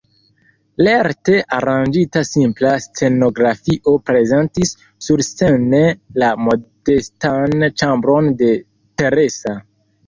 Lerte aranĝita simpla scenografio prezentis surscene la modestan ĉambron de Teresa.